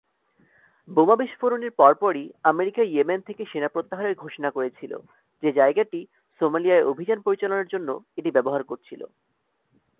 বোমা বিস্ফোরণের পরপরই আমেরিকা ইয়েমেন থেকে সেনা প্রত্যাহারের ঘোষণা করেছিল, যে জায়গাটি সোমালিয়ায় অভিযান পরিচালনার জন্য এটি ব্যবহার করছিল।